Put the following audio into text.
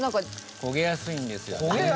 焦げやすいんですよね。